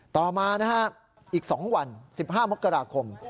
ต่อมานะฮะอีก๒วัน๑๕มกราคม